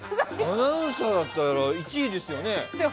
アナウンサーだったら１位ですよね？